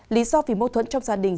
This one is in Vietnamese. lý do vì mâu thuẫn trong gia đình